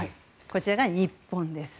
こちらが日本です。